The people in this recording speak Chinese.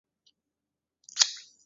以下分别叙述。